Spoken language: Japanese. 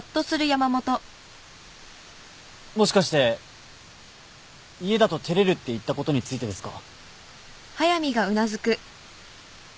もしかして「家だと照れる」って言ったことについてですか？